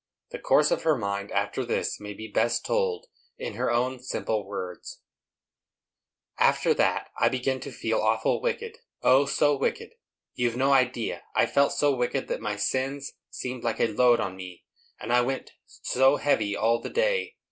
The course of her mind after this may be best told in her own simple words: "After that, I began to feel awful wicked,—O, so wicked, you've no idea! I felt so wicked that my sins seemed like a load on me, and I went so heavy all the day!